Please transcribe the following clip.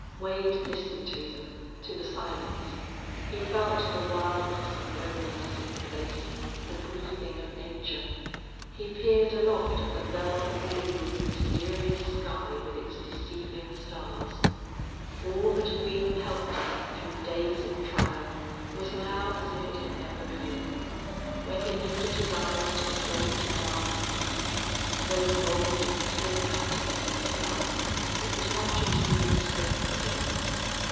Wade listened to them, to the silence. He felt the wildness and loneliness of the place, the breathing of nature; he peered aloft at the velvet blue of the mysterious sky with its deceiving stars. All that had been of help to him through days of trial was now as if it had never been. When he lifted his eyes to the great, dark peak, so bold and clear cut against the sky, it was not to receive strength again.